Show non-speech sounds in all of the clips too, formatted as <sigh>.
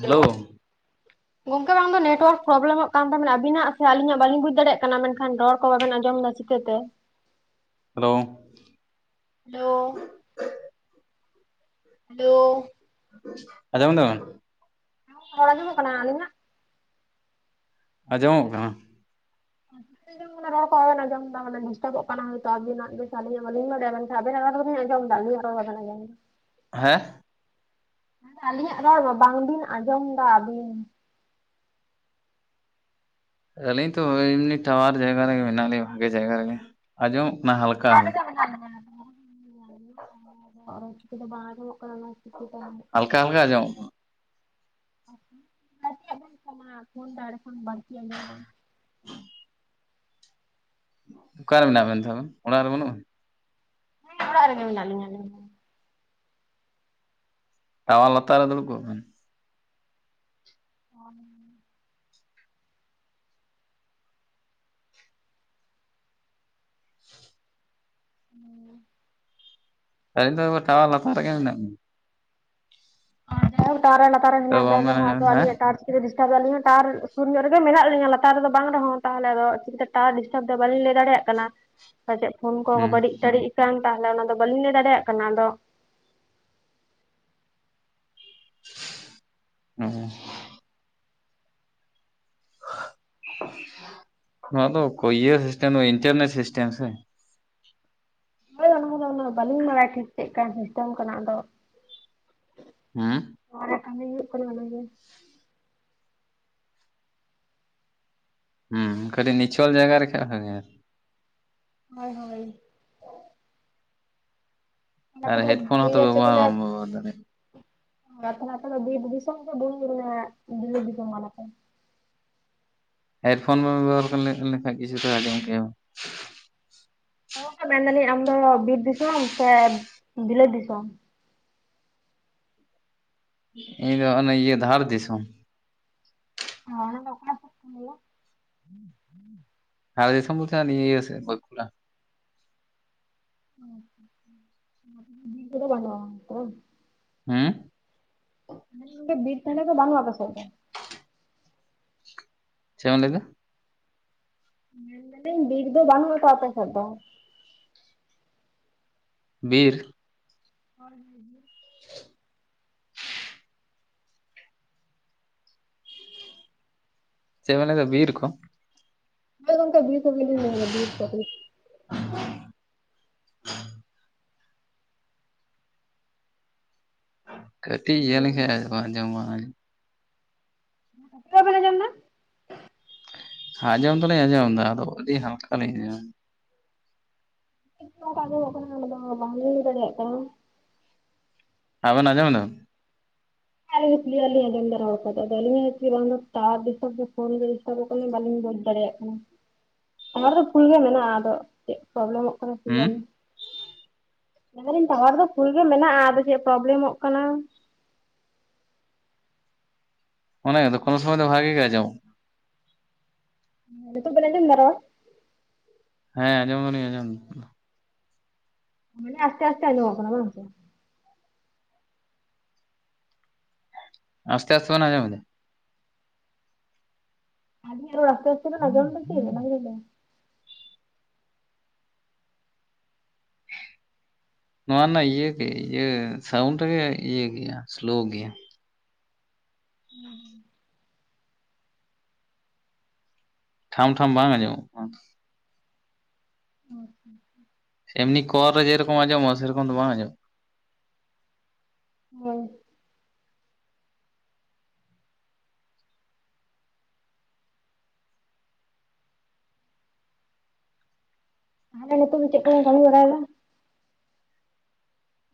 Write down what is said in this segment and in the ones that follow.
Hello, <inaudible> ᱜᱚᱝᱠᱮ ᱵᱟᱝ ᱫᱚ ᱱᱮᱴᱳᱣᱟᱨᱠ ᱯᱨᱚᱵᱞᱮᱢᱚᱜ ᱠᱟᱱ ᱛᱟᱵᱮᱱᱟ ᱟᱹᱵᱤᱱᱟᱜ ᱥᱮ ᱟᱞᱤᱧᱟᱜ ᱵᱟᱞᱤᱧ ᱵᱩᱡ ᱫᱟᱲᱭᱟᱜ ᱠᱟᱱᱟ ᱢᱮᱱᱠᱷᱟᱱ ᱨᱚᱲ ᱠᱚ ᱵᱟᱵᱮᱱ ᱟᱸᱡᱚᱢᱫᱟ ᱪᱤ ᱪᱮᱫ ᱛᱮ ᱦᱮᱞᱳᱣ ᱦᱮᱞᱳᱣ ᱦᱮᱞᱳᱣ ᱟᱸᱡᱚᱢ ᱫᱟᱵᱮᱱ ᱨᱚᱲ ᱟᱸᱡᱚᱢᱚᱜ ᱠᱟᱱᱟ ᱟᱹᱞᱤᱧᱟᱜ? ᱟᱸᱡᱚᱢᱚᱜ ᱠᱟᱱᱟ᱾ <unintelligible> ᱢᱟᱱᱮ ᱨᱚᱲ ᱠᱚ ᱵᱟᱵᱮᱱ ᱟᱸᱡᱚᱢᱫᱟ ᱢᱟᱱᱮ ᱰᱤᱥᱴᱟᱵᱚᱜ ᱠᱟᱱᱟ ᱦᱚᱭᱛᱳ ᱟᱵᱤᱱᱟᱜ ᱜᱮ ᱥᱮ ᱟᱹᱞᱤᱧ ᱦᱚᱸ ᱵᱟᱹᱞᱤᱧ ᱵᱟᱰᱟᱭᱟ ᱢᱮᱱᱠᱷᱟᱡ ᱟᱵᱮᱱᱟᱜ ᱨᱚᱲ ᱫᱚᱞᱤᱧ ᱟᱸᱡᱚᱢᱫᱟ ᱟᱹᱞᱤᱧᱟᱜ ᱨᱚᱲ ᱦᱚ ᱵᱟᱵᱮᱱ ᱟᱸᱡᱚᱢᱫᱟ ᱮᱸᱦᱮᱸ ᱥᱮ ᱟᱹᱞᱤᱧᱟᱜ ᱨᱚᱲ ᱵᱟᱝᱵᱤᱱ ᱟᱸᱡᱚᱢᱫᱟ ᱟᱵᱤᱱ᱾ ᱟᱹᱞᱤᱧ ᱛᱚ ᱮᱢᱱᱤ ᱴᱟᱣᱟᱨ ᱡᱟᱭᱜᱟ ᱨᱮᱜᱮ ᱢᱮᱱᱟᱜ ᱞᱤᱧᱟ ᱵᱷᱟᱜᱮ ᱡᱟᱭᱜᱟ ᱨᱮᱜᱮ ᱟᱸᱡᱚᱢᱚᱜ ᱠᱟᱱᱟ ᱦᱟᱞᱠᱟ ᱦᱟᱞ <unintelligible> ᱚᱲᱟᱜ ᱵᱷᱤᱛᱨᱤ ᱵᱟᱝ ᱟᱸᱡᱚᱢᱟᱜ ᱠᱟᱱᱟ ᱚᱱᱟ ᱠᱦᱟᱹᱛᱤᱨ ᱛᱮ ᱦᱟᱞᱠᱟ ᱦᱟᱞᱠᱟ ᱟᱸᱡᱚᱢᱚᱜ ᱵᱟᱹᱲᱛᱤ ᱟᱸᱡᱚᱢᱚᱜ ᱛᱟᱱᱟ ᱯᱷᱳᱱ ᱫᱟᱲᱮ ᱠᱷᱚᱱ ᱵᱟᱹᱲᱛᱤ ᱟᱸᱡᱚᱢᱚᱜᱼᱟ᱾ <inaudible> ᱚᱠᱟᱨᱮ ᱢᱮᱱᱟᱜ ᱵᱮᱱ ᱛᱷᱚ ᱟᱵᱚᱱ ᱚᱲᱟᱜ ᱨᱮ ᱵᱟᱹᱱᱩᱢᱟ? ᱦᱮᱸ ᱚᱲᱟᱜ ᱨᱮᱜᱮ ᱢᱮᱱᱟᱜ ᱞᱤᱧᱟ ᱟᱹᱞᱤᱧ ᱫᱚ᱾ ᱴᱟᱣᱟᱨ ᱞᱟᱛᱟᱨ ᱨᱮ ᱫᱩᱲᱩᱵᱽ ᱠᱚᱜ ᱵᱮᱱ᱾ ᱦᱚᱱ <unintelligible> ᱟᱞᱤᱧ ᱫᱚ ᱴᱟᱣᱟᱨ ᱞᱟᱛᱟᱨ ᱨᱮᱜᱮ ᱢᱮᱱᱟᱜ ᱞᱤᱧᱟ᱾ ᱴᱟᱣᱟᱨ ᱨᱮ ᱞᱟᱛᱟᱨ ᱨᱮ ᱛᱚ ᱢᱮᱱᱟᱜ ᱵᱮᱱ ᱵᱟᱝᱵᱮᱱ ᱨᱮᱦᱚᱸ ᱟᱸᱡᱚᱢ ᱟᱫᱚ ᱫᱟ ᱦᱮᱸ ᱟᱹᱞᱤᱧᱟᱜ ᱴᱟᱨ ᱪᱤᱞᱤ ᱰᱤᱥᱴᱟᱵᱮᱫ ᱞᱤᱧᱟ ᱴᱟᱣᱟᱨ ᱥᱩᱨ ᱧᱚᱜ ᱨᱮᱜᱮ ᱢᱮᱱᱟᱜ ᱞᱤᱧᱟ ᱞᱟᱛᱟᱨ ᱨᱮᱫᱚ ᱵᱟᱝ ᱨᱮᱦᱚᱸ ᱛᱟᱦᱚᱞᱮ ᱫᱚ ᱴᱷᱤᱠᱴᱷᱟᱠ ᱴᱟᱣᱟᱨ ᱰᱤᱥᱴᱟᱵ ᱫᱟᱭ ᱵᱟᱹᱞᱤᱧ ᱞᱟᱹᱭ ᱫᱟᱲᱮᱭᱟᱜ ᱠᱟᱱᱟ ᱯᱟᱪᱮᱫ ᱯᱷᱳᱱ ᱠᱚᱦᱚ ᱵᱟᱹᱲᱤᱡ ᱴᱟᱹᱲᱤᱡ ᱠᱟᱱ ᱛᱟᱦᱚᱞᱮ ᱚᱱᱟᱫᱚ ᱵᱟᱹᱞᱤᱧ ᱞᱟᱹᱭ ᱫᱟᱲᱮᱭᱟᱜ ᱠᱟᱱᱟ ᱟᱫᱚ ᱩᱸᱦᱩᱸ ᱱᱚᱣᱟ ᱫᱚ ᱚᱠᱚ ᱤᱭᱟᱹ ᱥᱤᱥᱴᱮᱢ ᱫᱚ ᱵᱟ ᱤᱱᱴᱮᱨᱱᱮᱴ ᱥᱤᱥᱴᱮᱢ ᱥᱮ᱾ ᱦᱳᱭ ᱚᱱᱟ ᱠᱚᱫᱚ ᱩᱱᱟᱹᱜ ᱵᱟᱹᱞᱤᱧ ᱵᱟᱲᱟᱭ ᱴᱷᱤᱠ ᱪᱮᱫᱠᱟᱱ ᱥᱤᱥᱴᱮᱢ ᱠᱟᱱᱟ ᱟᱫᱚ ᱦᱩᱸ ᱯᱷᱚᱱ ᱨᱮ ᱠᱟᱢᱤ ᱦᱩᱭᱩᱜ ᱠᱟᱱᱟ ᱚᱱᱟᱜᱮ ᱦᱩᱸ ᱠᱷᱟᱹᱞᱤ ᱱᱤᱪᱷᱚᱞ ᱡᱟᱭᱜᱟ ᱨᱮᱠᱷᱟᱡ ᱵᱟᱜᱤᱭᱟ᱾ ᱦᱳᱭ ᱦᱳᱭ ᱟᱨ ᱱᱚᱛᱮ ᱫᱚᱯ ᱦᱮᱰᱯᱷᱳᱱ ᱦᱚᱸᱛᱚ ᱡᱮᱡᱟᱨ ᱪᱮᱫ ᱠᱚ ᱵᱮᱵᱚᱦᱟᱨ ᱵᱟᱢ ᱞᱮᱯ ᱵᱮᱵᱚᱦᱟᱨ ᱫᱟᱲᱮᱭᱟᱜᱼᱟ ᱟᱨ ᱛᱷᱟᱞᱮ ᱟᱯᱮ ᱫᱚ ᱵᱤᱨ ᱫᱤᱥᱚᱢ ᱥᱮ ᱵᱤᱞ ᱢᱟᱱᱮ ᱵᱤᱞᱟᱹᱛ ᱫᱤᱥᱚᱢ ᱠᱟᱱᱟ ᱯᱮ? ᱦᱮᱰᱯᱷᱳᱱ ᱵᱟᱵᱮᱱ ᱵᱮᱵᱚᱦᱟᱨ ᱞᱮᱠ ᱞᱮᱠᱷᱟᱡ ᱠᱤᱪᱷᱩ ᱫᱚᱭ ᱟᱸᱡᱚᱢ ᱠᱮᱭᱟᱢ᱾ ᱦᱚ ᱢᱮᱱᱫᱟᱹᱞᱤᱧ ᱟᱢ ᱫᱚ ᱵᱤᱨ ᱫᱤᱥᱚᱢ ᱥᱮ ᱵᱤᱞᱟᱹᱛ ᱫᱤᱥᱚᱢ? ᱤᱧ ᱫᱚ ᱚᱱᱮ ᱤᱭᱟᱹ ᱫᱷᱟᱲ ᱫᱤᱥᱚᱢ᱾ ᱦᱚ ᱚᱱᱟᱫᱚ ᱚᱠᱟᱥᱮᱡ ᱠᱟᱱ ᱚᱱᱟᱫᱚ? ᱫᱷᱟᱲ ᱫᱤᱥᱚᱢ ᱵᱚᱞᱛᱮ ᱱᱤᱭᱟᱹ ᱤᱭᱟᱹ ᱥᱮᱫ ᱵᱟᱹᱠᱩᱲᱟ᱾ ᱚ, ᱵᱤᱨ ᱠᱚᱫᱚ ᱵᱟᱹᱱᱩᱜᱼᱟ ᱛᱚ ᱵᱟᱝ? ᱦᱩᱸ ᱢᱮᱱᱫᱟ ᱵᱤᱨ ᱛᱷᱟᱞᱮ ᱫᱚ ᱵᱟᱱᱩᱜᱼᱟ ᱟᱯᱮ ᱥᱮᱫ ᱫᱚ? ᱪᱮᱢ ᱞᱟᱹᱭᱫᱟ? ᱢᱮᱱᱫᱟᱹᱞᱤᱧ ᱵᱤᱨ ᱫᱚ ᱵᱟᱹᱱᱩᱜᱼᱟ ᱛᱚ ᱟᱯᱮ ᱥᱮᱫ ᱫᱚ? ᱵᱤᱨ᱾ ᱦᱳᱭ ᱵᱤᱨ <inaudible> ᱪᱮᱫ ᱵᱮᱱ ᱞᱟᱹᱭ ᱫᱟ ᱵᱤᱨᱠᱚ? ᱦᱳᱭ ᱜᱚᱝᱠᱮ ᱵᱤᱨ ᱠᱚᱜᱮᱞᱤᱧ ᱞᱟᱹᱭ ᱫᱟ ᱵᱤᱨ ᱠᱚ ᱜᱮ᱾ <inaudible> ᱠᱟᱹᱴᱤᱡ ᱤᱭᱟᱹ ᱦᱮᱞᱳ ᱞᱮᱱᱠᱷᱟᱱ ᱟᱫᱚ ᱵᱟᱝ ᱟᱸᱡᱚᱢᱚᱜ-ᱟ <inaudible> ᱟᱸᱡᱚᱢ ᱫᱚᱞᱤᱧ ᱟᱸᱡᱚᱢ ᱮᱫᱟ ᱟᱫᱚ ᱟᱹᱰᱤ ᱦᱟᱞᱠᱟ ᱞᱤᱧ ᱟᱸᱡᱚᱢᱫᱟ᱾ ᱪᱤᱠᱟ ᱛᱮ ᱟᱢᱚᱢᱚᱜ ᱠᱟᱱᱟ ᱚᱱᱟ ᱫᱚ ᱵᱟᱝ ᱞᱤᱧ ᱞᱟᱹᱭ ᱫᱟᱲᱮᱭᱟᱜ ᱠᱟᱱᱟ᱾ ᱟᱵᱮᱱ ᱟᱡᱚᱢ ᱫᱟᱵᱮᱱ? ᱦᱮᱸ ᱟᱞᱤᱧ ᱫᱚ ᱠᱞᱤᱭᱟᱨ ᱞᱤᱧ ᱟᱸᱚᱢᱫᱟ ᱨᱚᱲ ᱠᱚᱫᱚ ᱟᱫᱚ ᱟᱹᱞᱤᱧᱟᱜ ᱵᱟᱝ ᱫᱚ ᱴᱟᱣᱟᱨ ᱰᱤᱥᱴᱟᱵ ᱫᱟᱭ ᱯᱷᱳᱱ ᱜᱮ ᱰᱤᱥᱴᱟᱵᱚᱜ ᱠᱟᱱᱟ ᱵᱟᱹᱞᱤᱧ ᱵᱩᱡᱽ ᱫᱟᱲᱮᱭᱟᱜ᱾ ᱚ ᱴᱟᱣᱟᱨ ᱫᱚ ᱯᱷᱩᱞ ᱜᱮ ᱢᱮᱱᱟᱜᱼᱟ ᱟᱫᱚ ᱪᱮᱫ ᱯᱨᱚᱵᱞᱮᱢᱚᱜ ᱠᱟᱱᱟ ᱦᱩᱸ ᱠᱤᱡᱟᱱᱤ? ᱢᱮᱱᱫᱟ ᱫᱟᱞᱤᱧ ᱴᱟᱣᱟᱨ ᱫᱚ ᱯᱷᱩᱞ ᱜᱮ ᱢᱮᱱᱟᱜᱼᱟ ᱟᱫᱚ ᱪᱮᱫ ᱯᱨᱚᱵᱽᱞᱮᱢᱚᱜ ᱠᱟᱱᱟ᱾ ᱚᱱᱟ ᱜᱮ ᱛᱚ ᱠᱳᱱᱳ ᱥᱚᱢᱚᱭ ᱫᱚ ᱵᱷᱟᱜᱤ ᱜᱮ ᱟᱡᱚᱢᱚᱜ ᱱᱤᱛᱳᱜ ᱵᱮᱱ ᱟᱡᱚᱢ ᱫᱟᱜ ᱨᱚᱲ? ᱦᱮᱸ ᱟᱸᱡᱚᱢ ᱫᱟᱹᱞᱤᱧ ᱟᱸᱡᱚᱢ ᱫᱟ᱾ ᱢᱟᱱᱮ ᱟᱥᱛᱮ ᱟᱥᱛᱮ ᱟᱡᱚᱢᱚᱜ ᱠᱟᱱᱟ ᱵᱟᱝ ᱥᱮ? ᱟᱥᱛᱮ ᱟᱥᱛᱮ ᱵᱮᱱ ᱟᱡᱚᱢ ᱮᱫᱟ? ᱟᱞᱤᱧᱟᱜ ᱨᱚᱲ ᱟᱥᱛᱮ ᱟᱥᱛᱮ ᱵᱮᱱ ᱟᱡᱚᱢ ᱫᱟᱜ ᱠᱤ ᱚᱱᱟ ᱜᱤᱞᱤᱧ ᱞᱟᱹᱭ ᱱᱚᱣᱟ ᱨᱮᱱᱟᱜ ᱤᱭᱟᱹ ᱜᱮ ᱤᱭᱟᱹ ᱥᱟᱣᱩᱱᱰ ᱨᱮ ᱜᱮ ᱤᱭᱟᱹ ᱜᱮᱭᱟ ᱥᱞᱳ ᱜᱮᱭᱟ᱾ ᱦᱩᱸ᱾ ᱴᱷᱟᱢ ᱴᱷᱟᱢ ᱵᱟᱝ ᱟᱸᱡᱚᱢᱜ <unintelligible> ᱮᱢᱱᱤ ᱠᱚᱨ ᱨᱮ ᱡᱮ ᱨᱚᱠᱚᱢ ᱟᱡᱚᱢᱜ-ᱟ ᱥᱮ ᱨᱚᱠᱚᱢ ᱫᱚ ᱵᱟᱝ ᱟᱸᱡᱚᱢᱜ ᱦᱳᱭ᱾ ᱱᱤᱛ ᱫᱚ ᱪᱮᱫ ᱠᱚᱢ ᱜᱢᱤ ᱵᱟᱲᱟᱭ ᱫᱟ?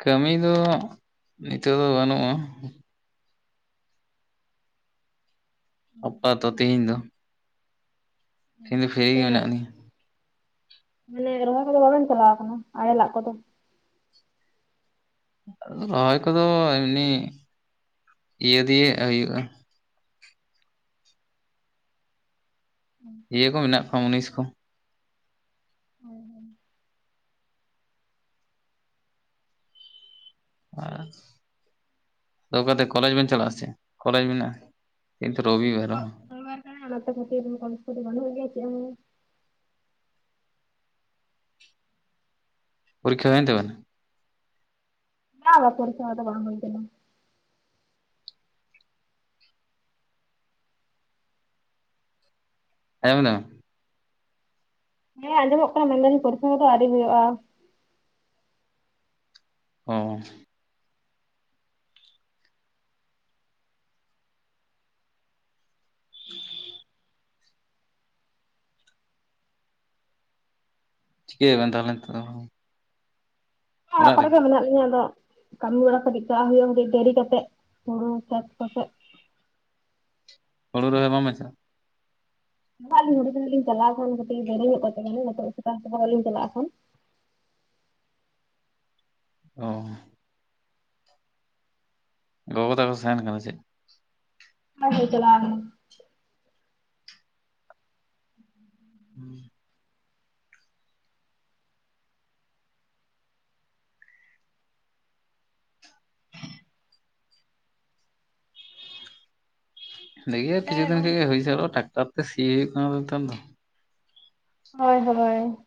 ᱠᱟᱹᱢᱤ ᱫᱚ ᱱᱤᱛᱚᱜ ᱫᱚ ᱵᱟᱹᱱᱩᱜᱼᱟ᱾ ᱚᱯᱟᱛᱚ ᱛᱮᱦᱮᱧ ᱫᱚ᱾ ᱤᱧ ᱫᱚ ᱯᱷᱤᱨᱤ ᱜᱮ ᱢᱮᱱᱟᱜᱤᱧᱟᱹ᱾ ᱪ ᱠᱚᱫᱚ ᱵᱟᱵᱮᱱ ᱪᱟᱞᱟᱣ ᱟᱠᱟᱱᱟ ᱟᱲᱮ ᱞᱟᱜ ᱠᱚᱫᱚ᱾ ᱨᱚᱦᱚᱭ ᱠᱚᱫᱚ ᱮᱢᱱᱤ ᱤᱭᱟᱹ ᱫᱤᱭᱮ ᱦᱩᱭᱩᱜᱼᱟ᱾ ᱤᱭᱟᱹ ᱠᱚ ᱢᱮᱱᱟᱜ ᱠᱚᱣᱟ ᱢᱩᱱᱤᱥ ᱠᱚ᱾ ᱦᱮᱸ ᱦᱩᱸ᱾ ᱟ <unintelligible> ᱫᱚᱠᱟ ᱠᱟᱛᱮ ᱠᱚᱞᱮᱡᱽ ᱵᱮᱱ ᱪᱟᱞᱟᱜ ᱟᱥᱮ ᱠᱚᱞᱮᱡᱽ ᱢᱮᱱᱟᱜᱼᱟ ᱠᱤᱱᱛᱩ ᱨᱚᱵᱤ ᱵᱟᱨ ᱦᱚᱸ᱾ ᱦ ᱠᱷᱟᱹᱤᱨ ᱠᱚᱯᱤ ᱜᱚᱱ ᱦᱩᱭᱪ᱾ ᱯᱚᱨᱠᱷᱟ ᱦᱩᱭ ᱱᱛᱟᱵᱤᱱᱟ? ᱵᱟᱝ ᱯᱚᱨᱥᱟ ᱫᱚ ᱵᱟᱝ ᱠᱟᱱᱟ᱾ ᱟᱡᱚᱢ ᱫᱟᱢ᱾ ᱦᱮᱸ ᱟᱸᱡᱚᱢᱚᱜ ᱠᱟᱱᱟ ᱢᱮᱱᱫᱟᱞᱤᱧ ᱯᱚᱨᱤᱥᱮᱚᱢᱵᱟ ᱫᱚ ᱟᱹᱣᱨᱤ ᱦᱩᱭᱩᱜᱼᱟ᱾ ᱚ <inaudible> ᱪᱤᱠᱟᱹᱭ ᱫᱟ ᱵᱤᱱ ᱛᱟᱦᱞᱮ ᱱᱤᱛᱚᱜ ᱫᱚ? ᱚᱲᱟᱜ ᱠᱚᱨᱮ ᱢᱮᱱᱟᱜ ᱞᱤᱧᱟ ᱾ ᱟᱫᱚ ᱠᱟᱹᱢᱤ ᱵᱟᱲᱟ ᱠᱚ ᱪᱮᱫᱠᱟ ᱦᱩᱭᱩᱜᱼᱟ <unintelligible> ᱰᱮᱨᱤ ᱠᱟᱛᱮᱜ ᱦᱩᱲᱩ ᱪᱟᱥ ᱠᱟᱛᱮᱫ ᱾ ᱦᱩᱲᱩ ᱨᱚᱦᱚᱭ ᱵᱟᱝ ᱵᱮᱱ ᱪᱟᱜᱼᱟ? ᱪᱟᱞᱟᱜ ᱟᱹᱞᱤᱧ <unintelligible> ᱦᱚᱞᱟ ᱠᱷᱟᱱ ᱠᱟᱹᱴᱤᱡ ᱰᱮᱨᱤ ᱧᱚᱜ <unintelligible> ᱱᱤᱛᱚᱜ ᱥᱮᱛᱟᱜ ᱥᱮᱛᱟᱜ ᱵᱟᱹᱞᱤᱧ ᱪᱟᱞᱟᱜᱼᱟ ᱮᱠᱷᱚᱱ ᱾ ᱚᱻ ᱜᱚᱜᱚ ᱛᱟᱠᱚ ᱛᱟᱦᱮᱱ ᱠᱟᱱᱟ ᱪᱮᱫ? ᱚᱠᱟ ᱥᱮᱫ ᱮ ᱪᱟᱞᱟᱣ ᱟᱠᱟᱱᱟ? ᱦᱩᱸ ᱾ <unintelligible> ᱠᱤᱪᱷᱩ ᱫᱤᱱ ᱛᱟᱦᱚᱞᱮ ᱠᱷᱚᱡ ᱜᱮ ᱦᱩᱭ ᱥᱟᱹᱛᱚᱜᱼᱟ ᱴᱟᱠᱴᱟᱨ ᱛᱮ ᱥᱤ ᱦᱩᱭᱩᱜ ᱠᱟᱱᱟ ᱛᱚ ᱱᱮᱛᱟᱨ ᱫᱚ ᱾ ᱦᱳᱭ ᱦᱳᱭ ᱾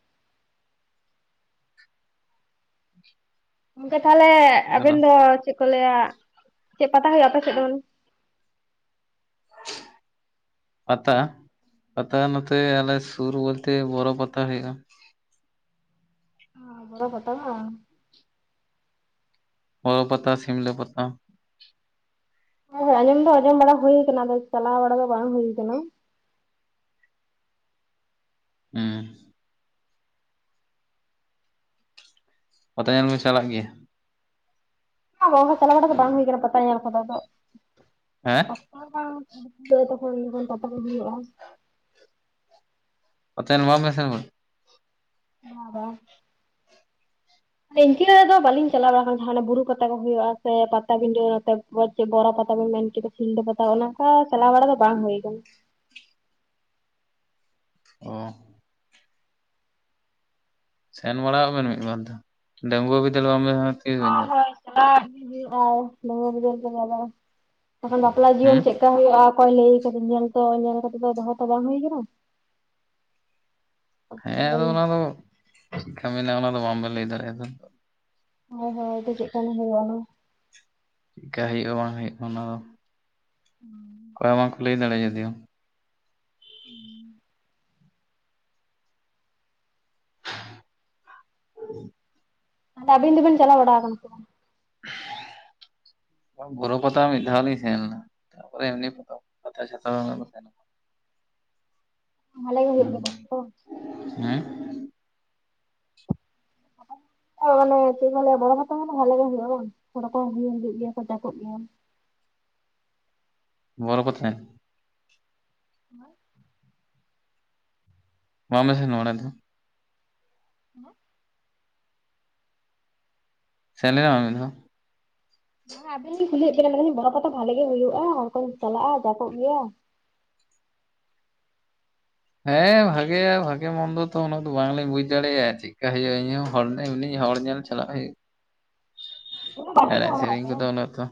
ᱜᱚᱝᱠᱮ ᱛᱟᱦᱚᱞᱮ ᱱᱮᱛᱟᱨ ᱟᱵᱮᱱ ᱟᱫᱚ ᱫᱚ ᱪᱮᱫ ᱠᱚ ᱞᱟᱹᱭᱟ <inaudible> ᱪᱮᱫ ᱯᱟᱛᱟ ᱦᱩᱭᱩᱜᱼᱟ ᱟᱯᱮ ᱥᱮᱫ <unintelligible> <inaudible> ᱯᱟᱛᱟ? <inaudible> ᱯᱟᱛᱟ ᱱᱚᱛᱮ ᱟᱞᱮ ᱥᱩᱨ ᱵᱚᱞᱛᱮ ᱵᱚᱨᱚ ᱯᱟᱛᱟ ᱦᱳᱭᱳᱜᱼᱟ ᱾ ᱵᱚᱨᱚ ᱯᱟᱛᱟ ᱵᱟᱝ? ᱵᱚᱨᱚ ᱯᱟᱛᱟ ᱥᱤᱢᱞᱟᱹ ᱯᱟᱛᱟ ᱾ ᱦᱳᱭ ᱦᱳᱭ ᱟᱸᱡᱚᱢ ᱫᱚ ᱟᱸᱡᱚᱢ ᱵᱟᱲᱟ ᱦᱩᱭᱩ ᱟᱠᱟᱱᱟ ᱟᱫᱚ ᱪᱟᱞᱟᱣ ᱵᱟᱲᱟ ᱫᱚ ᱵᱟᱝ ᱦᱩᱭᱩ ᱟᱠᱟᱱᱟ ᱾ ᱦᱮᱸ ᱾ ᱯᱟᱛᱟ ᱧᱮᱞ ᱵᱮᱱ ᱪᱟᱞᱟᱜ ᱜᱮᱭᱟ? <unintelligible> ᱪᱟᱞᱟᱣ ᱵᱟᱲᱟ ᱫᱚ ᱵᱟᱝ ᱦᱩᱭ ᱟᱠᱟᱱᱟ ᱯᱟᱛᱟ ᱧᱮᱞ ᱠᱚᱫᱚ ᱾ ᱟᱫᱚ <inaudible> ᱦᱮᱸ? ᱚᱠᱛᱚ ᱛᱚᱠᱷᱚᱱ <unintelligible> ᱡᱚᱠᱷᱚᱱ ᱛᱟᱯᱟ ᱦᱩᱭᱩᱜᱼᱟ ᱾ ᱚᱛᱮ ᱱᱚᱣᱟ ᱢᱮᱥ ᱨᱮᱱᱦᱚᱸ ᱾ ᱵᱟᱝ ᱵᱟᱝ ᱾ <unintelligible> ᱨᱮᱫᱚ ᱵᱟᱹᱞᱤᱧ ᱪᱟᱞᱟᱣ ᱵᱟᱲᱟ ᱟᱠᱟᱱᱟ ᱵᱩᱨᱩ ᱯᱟᱛᱟ ᱠᱚ ᱦᱩᱭᱩᱜᱼᱟ ᱥᱮ ᱯᱟᱴᱟ ᱵᱤᱸᱰᱟᱹ ᱱᱚᱛᱮ ᱪᱮᱫ ᱵᱚᱨᱚ ᱯᱟᱛᱟ ᱵᱮᱱ ᱢᱮᱱ ᱠᱮᱫᱟ ᱥᱤᱞᱫᱟᱹ ᱯᱟᱛᱟ ᱚᱱᱠᱟ ᱪᱟᱞᱟᱣ ᱵᱟᱲᱟ ᱫᱚ ᱵᱟᱝ ᱦᱩᱭ ᱟᱠᱟᱱᱟ ᱾ ᱚ ᱾ ᱥᱮᱱ ᱵᱟᱲᱟᱣᱟᱜ ᱵᱮᱱ ᱢᱤᱫ ᱵᱟᱨ ᱫᱚ ᱾ ᱰᱟᱹᱝᱜᱩᱣᱟᱹ ᱵᱤᱫᱟᱹᱞ ᱵᱟᱝ ᱵᱤᱱ ᱧᱮᱞ <unintelligible> ᱛᱤᱥ ᱵᱮᱱ ᱧᱮᱞᱟ ᱾ <unintelligible> ᱮᱠᱷᱟᱱ ᱵᱟᱯᱞᱟ ᱦᱩᱸ ᱡᱤᱭᱚᱱ ᱪᱮᱫᱠᱟ ᱦᱩᱭᱩᱜᱼᱟ <unintelligible> ᱧᱮᱞ ᱛᱚ ᱧᱮᱞ ᱠᱟᱛᱮᱜ ᱫᱚ ᱫᱚᱦᱚ ᱛᱚ ᱵᱟᱝ ᱦᱩᱭ ᱟᱠᱟᱱᱟ ᱾ ᱦᱮᱸ ᱟᱫᱚ ᱦᱳᱭ ᱚᱱᱟ ᱫᱚ <inaudible> ᱪᱤᱫᱠᱟ ᱢᱮᱱᱟᱜᱼᱟ ᱚᱱᱟ ᱫᱚ ᱵᱟᱝᱵᱮᱱ ᱞᱟᱹᱭ ᱫᱟᱲᱮᱭᱟᱜᱼᱟ ᱛᱚ ᱾ ᱦᱳᱭ ᱦᱳᱭ ᱟᱫᱚ ᱪᱮᱫᱠᱟᱱᱤᱡ ᱮ ᱦᱩᱭᱩᱜᱼᱟ ᱚᱱᱟ ᱪᱮᱫᱠᱟ ᱦᱩᱭᱩᱜᱼᱟ ᱵᱟᱝ ᱦᱩᱭᱩᱜᱼᱟ ᱚᱱᱟ ᱫᱚ ᱚᱠᱚᱭ ᱦᱚᱸ ᱵᱟᱝ ᱠᱚ ᱞᱟᱹᱭ ᱫᱟᱲᱮᱭᱟᱼᱟ ᱡᱚᱫᱤᱭᱚ ᱦᱩᱸ ᱾ <inaudible> ᱟᱵᱤᱱ ᱫᱚ ᱵᱤᱱ ᱪᱟᱞᱟᱣ ᱵᱟᱲᱟᱣ ᱟᱠᱟᱱᱟ ᱥᱮ ᱵᱟᱝ? <inaudible> ᱵᱳᱨᱳ ᱯᱟᱛᱟ ᱢᱤᱫ ᱫᱷᱟᱣ ᱞᱤᱧ ᱥᱮᱱ ᱞᱮᱱᱟ ᱾ ᱛᱟᱨᱯᱚᱨ ᱮᱢᱱᱤ ᱯᱟᱛᱟ ᱪᱷᱟᱛᱟ ᱦᱚ ᱟᱫᱚ <inaudible> ᱵᱷᱟᱞᱮ ᱜᱮ ᱦᱩᱭᱩᱜ ᱠᱟᱱᱟ ᱛᱚ ᱾ ᱦᱮᱸᱜ? ᱦᱳᱭ ᱢᱟᱱᱮ ᱪᱮᱫ ᱠᱚ ᱞᱟᱹᱭᱟ ᱵᱚᱨᱚ ᱯᱟᱛᱟ ᱢᱟᱱᱮ ᱵᱷᱟᱞᱮ ᱜᱮ ᱦᱩᱭᱩᱜᱼᱟ ᱵᱟᱝ? ᱦᱚᱲ ᱠᱚ ᱦᱩᱭ ᱦᱤᱡᱩᱜ ᱜᱮᱭᱟ <unintelligible> ᱠᱚᱜ ᱜᱮᱭᱟ᱾ ᱵᱚᱨᱚ ᱯᱟᱛᱟ ᱧᱮᱞ? ᱦᱮᱸ ᱾ ᱵᱟᱢ ᱯᱮ ᱥᱮᱱᱚᱜᱼᱟ ᱚᱲᱟᱜ ᱫᱚ? <unintelligible> ᱥᱮᱱ ᱞᱮᱱᱟᱢ ᱢᱤᱫ ᱫᱷᱟᱣ᱾ ᱵᱟᱝ ᱟᱵᱮᱱ ᱞᱤᱧ ᱠᱩᱞᱤᱭᱮᱫ ᱵᱮᱱᱟ ᱢᱮᱱ ᱵᱚᱨᱚᱯᱟᱛᱟ ᱵᱷᱟᱜᱮ ᱜᱮ ᱦᱩᱭᱩᱜᱼᱟ ᱦᱚᱲ ᱠᱚᱧ ᱪᱟᱞᱟᱜᱼᱟ ᱡᱟᱠᱚᱜ ᱜᱮᱭᱟ? ᱦᱮᱸ ᱵᱷᱟᱜᱮᱭᱟ ᱵᱷᱟᱜᱮ ᱢᱚᱱᱫᱚ ᱛᱚ ᱩᱱᱟᱹᱜ ᱫᱚ ᱵᱟᱝᱞᱤᱧ ᱵᱩᱡ ᱫᱟᱲᱮᱭᱟᱜᱼᱟ ᱪᱮᱫᱮᱠᱟ ᱦᱩᱭᱩᱜᱼᱟ, ᱤᱧᱦᱚᱸ ᱦᱚᱲ ᱧᱮᱞ ᱪᱟᱞᱟᱜ ᱦᱩᱭᱩᱜ ᱩᱱᱟᱹᱜ ᱵᱟᱹᱲᱛᱤ ᱠᱚ ᱮᱲᱮᱡ ᱦᱚᱲᱚᱜ ᱥᱮᱨᱮᱧ ᱟᱛᱚ ᱵᱟᱝ ᱠᱚᱫᱚᱱᱟ ᱛᱚ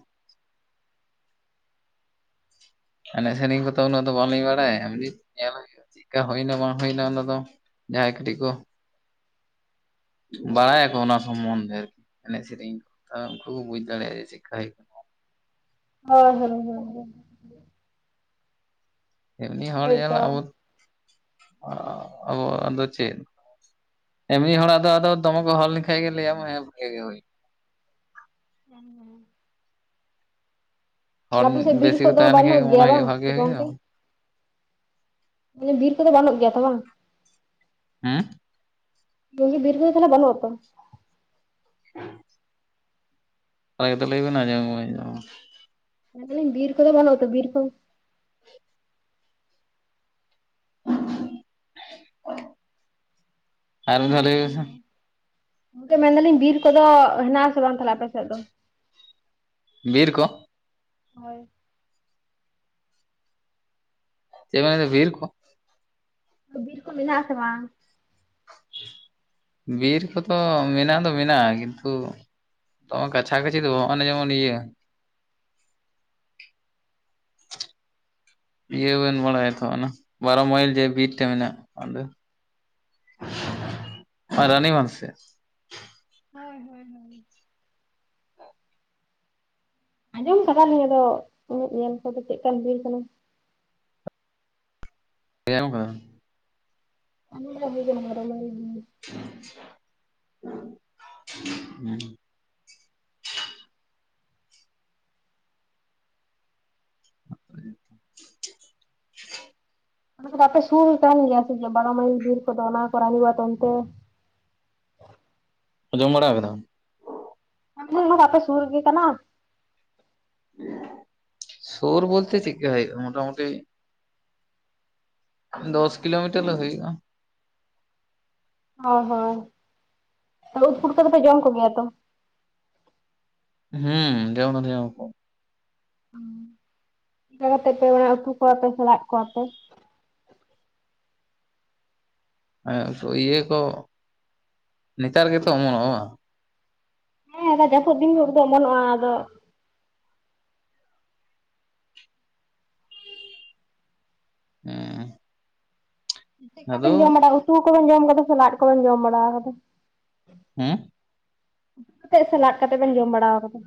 ᱮᱱᱮᱡ ᱥᱮᱨᱮᱧ ᱠᱚᱫᱚ ᱩᱱᱟᱹᱜ ᱵᱟᱝ ᱞᱤᱧ ᱵᱟᱲᱟᱭᱟ᱾ ᱪᱮᱫᱠᱟ ᱦᱩᱭᱱᱟ ᱵᱟᱝ ᱦᱩᱭᱱᱟ ᱚᱱᱟ ᱫᱚ ᱡᱟᱦᱟᱸᱭ ᱠᱟᱹᱴᱤᱡ ᱠᱚ ᱵᱟᱲᱟᱭᱟᱠᱚ ᱚᱱᱟ ᱥᱚᱢᱚᱱᱫᱷᱮ ᱟᱨᱠᱤ ᱮᱱᱮᱡ ᱥᱮᱨᱮᱧ ᱠᱚ ᱛᱟᱦᱮ ᱩᱱᱠᱩ ᱠᱚ ᱵᱩᱡ ᱫᱟᱲᱮᱭᱟᱜᱼᱟ ᱥᱤᱠᱷᱟ ᱠᱟᱱᱟ᱾ ᱦᱳᱭ ᱦᱳᱭ ᱦᱳᱭ ᱾ ᱮᱢᱱᱤ ᱦᱚᱲ ᱧᱮᱞ ᱦᱳᱭᱛᱚ ᱟᱵᱚ ᱟᱵᱚ ᱟᱫᱚ ᱪᱮᱫ᱾ ᱮᱢᱱᱤ ᱦᱚᱲ ᱟᱫ ᱟᱫ ᱫᱚ ᱫᱚᱢᱮ ᱠᱚ ᱦᱚᱞ ᱞᱮᱠᱷᱟᱭ ᱜᱮ ᱞᱟᱹᱭᱟᱧ ᱾ <unintelligible> ᱦᱚᱲ ᱟᱯᱮ ᱥᱮᱫ ᱵᱤᱞ ᱵᱮᱥᱤ ᱠᱚ ᱠᱚᱫᱚ ᱛᱟᱦᱮᱸ ᱵᱟᱹᱱᱩᱜ ᱞᱮᱱᱠᱷᱟᱱ ᱢᱚᱱᱮ ᱜᱮᱭᱟ ᱵᱟᱝ ᱦᱩᱭᱩᱜᱼᱟ ᱵᱷᱟᱜᱮ ᱥᱮ ᱦᱩᱭᱱᱟ ᱜᱚᱢᱠᱮ? ᱢᱟᱱᱮ ᱵᱤᱨ ᱠᱚᱫᱚ ᱵᱟᱹᱱᱩᱜ ᱜᱮᱭᱟ ᱛᱚ ᱵᱟᱝ? ᱦᱮᱸ? ᱢᱮᱱ ᱫᱤᱧ ᱵᱤᱨ ᱠᱚᱫᱚ ᱛᱟᱞᱮ ᱵᱟᱹᱱᱩᱜᱼᱟ ᱛᱚ? <inaudible> <unintelligible> ᱢᱮᱱ ᱫᱟᱞᱤᱧ ᱵᱤᱨ ᱠᱚᱫᱚ ᱵᱟᱱᱩᱜ ᱟᱛᱚ ᱵᱤᱨ ᱠᱚ? ᱟᱨ ᱢᱤᱫ ᱫᱷᱟᱣ ᱞᱟᱹᱭ ᱵᱮᱱ ᱥᱮ ᱾ ᱜᱚᱢᱠᱮ ᱢᱮᱱᱫᱟᱞᱤᱧ ᱵᱤᱨ ᱠᱚᱫᱚ ᱦᱮᱱᱟᱜ ᱟᱥᱮ ᱵᱟᱝ ᱛᱟᱦᱚᱞᱮ ᱟᱯᱮ ᱥᱮᱫ ᱫᱚ? ᱵᱤᱨ ᱠᱚ᱾ ᱦᱳᱭ ᱪᱮᱫ ᱢᱮᱱ ᱡᱮᱫᱟ ᱵᱤᱨ ᱠᱚ? ᱵᱤᱨ ᱠᱚ ᱢᱮᱱᱟᱜᱼᱟ ᱥᱮ ᱵᱟᱝ? ᱵᱤᱨ ᱠᱚᱫᱚ ᱢᱮᱱᱟᱜ ᱫᱚ ᱢᱮᱱᱟᱜᱼᱟ, ᱠᱤᱱᱛᱩ ᱛᱚ ᱠᱟᱪᱷᱟ ᱠᱟᱪᱷᱤ ᱫᱚ ᱵᱟᱝ ᱱᱚᱼᱚᱱᱰᱮ ᱡᱮᱢᱚᱱ ᱤᱭᱟᱹ ᱤᱭᱟᱹ ᱵᱮᱱ ᱵᱟᱲᱟᱭᱟ ᱛᱚ ᱚᱱᱟ ᱵᱷᱟᱨᱚ ᱢᱟᱭᱤᱞ ᱵᱤᱨ ᱴᱷᱮᱱ ᱢᱮᱱᱟᱜ ᱚᱸᱰᱮ᱾ ᱨᱟᱱᱤᱢᱟᱱ ᱥᱮᱫ᱾ ᱦᱳᱭ ᱦᱳᱭ ᱦᱳᱭ᱾ ᱟᱸᱡᱚᱢ ᱠᱟᱫᱟᱞᱤᱧ ᱟᱫᱚ ᱤᱧᱟᱹᱜ ᱧᱮᱞ ᱠᱚᱫᱚ ᱪᱮᱫ ᱞᱮᱠᱟᱱ ᱵᱤᱨ ᱠᱟᱱᱟ᱾ <unintelligible> <unintelligible> ᱦᱩᱸ <inaudible> ᱚᱱᱟ ᱟᱯᱮ ᱥᱩᱨ ᱠᱟᱱ ᱜᱮᱭᱟᱥᱮ ᱵᱟᱨᱚ ᱢᱟᱭᱤᱞ ᱵᱤᱨ ᱠᱚᱫᱚ? ᱚᱱᱟ ᱠᱚ ᱨᱟᱱᱤ ᱵᱟ ᱚᱱᱛᱮ᱾ ᱚᱡᱚᱢ ᱵᱟᱲᱟᱣ ᱠᱮᱫᱟᱢ? ᱟ ᱟᱯᱮ ᱥᱩᱨ ᱜᱮ ᱠᱟᱱᱟ᱾ ᱥᱩᱨ ᱵᱚᱞᱛᱮ ᱴᱷᱤᱠ ᱜᱮ ᱦ ᱢᱳᱴᱟᱢᱩᱴᱤ᱾ ᱫᱚᱥ ᱠᱤᱞᱳᱢᱤᱴᱟᱨ ᱫᱚ ᱦᱩᱭᱼᱟ᱾ ᱚ ᱦᱚ ᱩᱫ ᱯᱩᱴᱟᱹ ᱠᱚᱫᱚ ᱯᱮ ᱡᱚᱢ ᱠᱚᱜᱮᱭᱟ ᱛᱚ᱾ ᱦᱩᱸ ᱡᱚᱢ ᱦᱚᱸ ᱞᱮ ᱢᱚᱡ ᱠᱚᱣᱟ ᱾ ᱚᱱᱠᱟ ᱠᱟᱛᱮ ᱯᱮ ᱚᱲᱟᱜ ᱩᱛᱩ ᱠᱚᱣᱟᱯᱮ ᱥᱮᱲᱟᱜ ᱠᱚᱣᱟᱯᱮ? ᱦ ᱤᱭᱟᱹ ᱠᱚ ᱱᱮᱛᱟᱨ ᱜᱮᱛᱚ ᱚᱢᱚᱱᱚᱜᱼᱟ ᱵᱟᱝ? ᱦᱮᱸ ᱟᱫᱚ ᱡᱟᱹᱯᱩᱫ ᱫᱤᱱᱜᱩᱲ ᱫᱚ ᱵᱚᱱᱚᱜᱼᱟ ᱟᱫᱚ᱾ ᱦᱮᱸ᱾ ᱟᱫᱚ ᱪᱮᱫᱠᱟᱵᱮᱱ ᱡᱚᱢ ᱵᱟᱲᱟ ᱩᱛᱩ ᱠᱚᱵᱮᱱ ᱡᱚᱢ ᱠᱟᱫᱟ ᱥᱮ ᱞᱟᱫ ᱠᱚᱵᱮᱱ ᱡᱚᱢ ᱵᱟᱲᱟᱣ ᱠᱟᱫᱟ? ᱦᱮᱸ? ᱠᱟᱛᱮ ᱥᱮ ᱞᱟᱫ ᱠᱟᱛᱮᱫ ᱵᱮᱱ ᱡᱚᱢ ᱵᱟᱲᱟ ᱟᱠᱟᱫᱟ?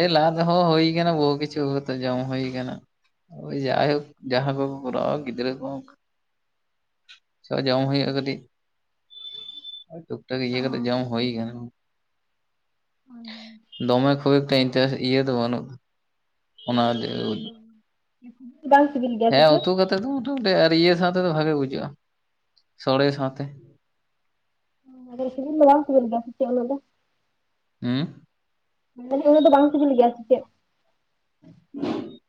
ᱮ ᱞᱟᱫ ᱦᱚᱸ ᱦᱳᱭ ᱠᱟᱱᱟ ᱵᱚᱦᱩ ᱠᱤᱪᱷᱩ ᱠᱟᱛᱮ ᱡᱚᱢ ᱦᱩᱭ ᱠᱟᱱᱟ᱾ ᱡᱟᱭᱦᱳᱠ ᱡᱟᱦᱟᱸ ᱠᱚᱠᱚ ᱠᱚᱨᱟᱣᱟ ᱜᱤᱫᱽᱨᱟᱹ ᱠᱚ᱾ ᱪᱚ ᱡᱚᱢ ᱦᱩᱭᱩᱜᱼᱟ ᱠᱟᱹᱴᱤᱡ᱾ ᱴᱩᱠ-ᱴᱟᱠ ᱤᱭᱟᱹ ᱠᱟᱛ ᱡᱚᱢ ᱦᱳᱭ ᱠᱟᱱᱟ᱾ ᱫᱚᱢᱮ ᱠᱷᱩᱵ ᱮᱠᱴᱟ ᱤᱱᱴᱦᱟᱥ ᱤᱭᱟᱹ ᱫᱚ ᱵᱟᱹᱱᱩᱜ ᱚᱱᱟ ᱵᱟᱝ ᱥᱤᱵᱤᱞ ᱜᱮᱭᱟ᱾ ᱥᱮ ᱦᱮᱸ ᱪᱮᱫ ᱩᱛᱩ ᱠᱟᱛᱮᱫ ᱫᱚ ᱢᱚᱴᱟᱢᱩᱴᱤ ᱟᱨ ᱤᱭᱟᱹ ᱥᱟᱸᱣᱛᱮᱚ ᱵᱷᱟᱜᱮ ᱵᱩᱡᱟᱹᱜᱼᱟ᱾ ᱥᱚᱲᱮ ᱥᱟᱶᱛᱮ᱾ <unintelligible> ᱥᱤᱵᱤᱞ ᱫᱚ ᱵᱟᱝ ᱥᱤᱵᱤᱞ ᱜᱮᱭᱟ ᱥᱮ ᱪᱮᱫ ᱤᱱᱟᱹ ᱫᱚ? ᱦᱮᱸ? ᱢᱟᱱᱮ ᱩᱱᱟᱹᱜ ᱫᱚ ᱵᱟᱝ ᱥᱤᱱᱤᱞ ᱜᱮᱭᱟ ᱥᱮᱪᱮᱫ? <inaudible>